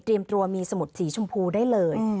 ตัวมีสมุดสีชมพูได้เลย